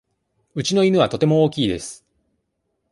うちの犬はとても大きいです。